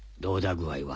具合は。